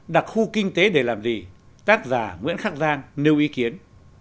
đặc khu kinh tế để làm gì tác giả nguyễn khắc giang nêu ý kiến